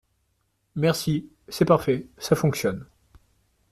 Merci, c’est parfait, ça fonctionne.